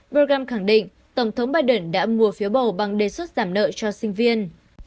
doram khẳng định tổng thống biden đã mua phiếu bầu bằng đề xuất giảm nợ cho sinh viên